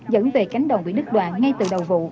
dẫn về cánh đồng bị đứt đoạn ngay từ đầu vụ